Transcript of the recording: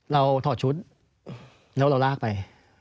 ถอดชุดแล้วเราลากไป